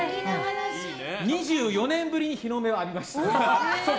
２４年ぶりに日の目を浴びました。